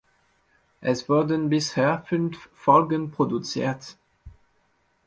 Es wurden bisher fünf Folgen produziert.